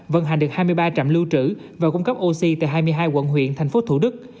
vận hành được hai mươi ba trạm lưu trữ và cung cấp oxy tại hai mươi hai quận huyện thành phố thủ đức